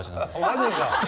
マジか。